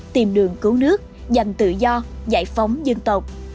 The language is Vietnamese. tìm đường cứu nước giành tự do giải phóng dân tộc